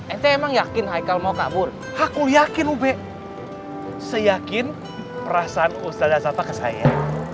itu emang yakin haikel mau kabur aku yakin ube seyakin perasaan ustadz asata ke saya